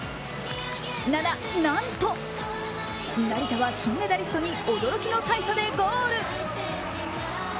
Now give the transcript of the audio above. な、な、なんと、成田は金メダリストに驚きの大差でゴール。